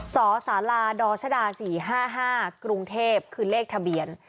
สสดา๔๕๕กรุงเทพคือเลขทะเบียน